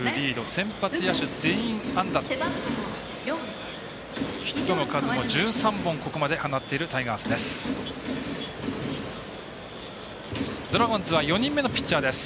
先発野手全員安打とヒットの数も１３本ここまで放っているタイガースです。